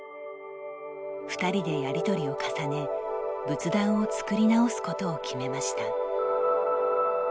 ２人でやり取りを重ね仏壇を作り直すことを決めました。